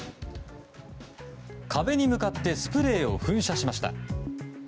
壁に向かってスプレーを噴射しました。